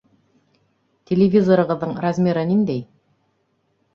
Телевизорығыҙҙың размеры ниндәй?